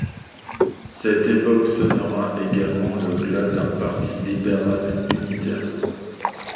Cette époque sonnera également le glas d’un parti libéral unitaire.